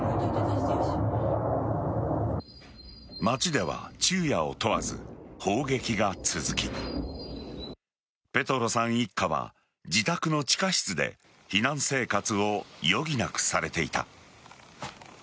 街では昼夜を問わず砲撃が続きペトロさん一家は自宅の地下室で避難生活を余儀なくされていた。